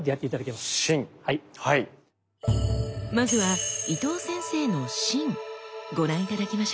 まずは伊藤先生の「真」ご覧頂きましょう。